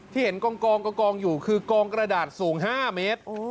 เห็นกองอยู่คือกองกระดาษสูง๕เมตร